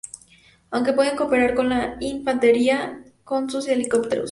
Aunque puede cooperar con la infantería con sus helicópteros.